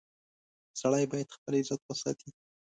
• سړی باید خپل عزت وساتي.